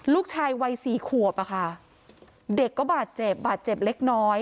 ลูกชายวัยสี่ขวบอะค่ะเด็กก็บาดเจ็บบาดเจ็บเล็กน้อย